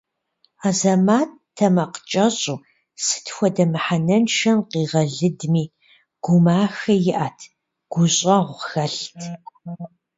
Азэмэт тэмакъкӏэщӏу, сыт хуэдэ мыхьэнэншэм къигъэлыдми, гумахэ иӏэт, гущӏэгъу хэлът.